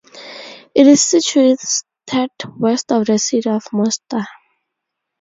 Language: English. It is situated west of the city of Mostar.